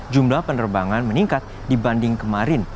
jumlah penerbangan meningkat dibanding kemarin